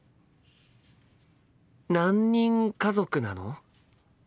何人家族なの？